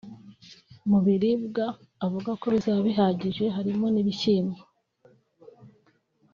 Mu biribwa avuga ko bizaba bihagije harimo ibishyimbo